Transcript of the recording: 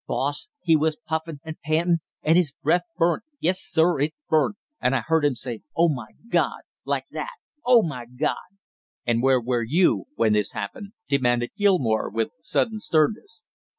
Boss, he was puffin' and pantin' and his breath burnt, yes, sir, it burnt; and I heard him say, 'Oh, my God!' like that, 'Oh, my God!'" "And where were you when this happened?" demanded Gilmore with sudden sternness.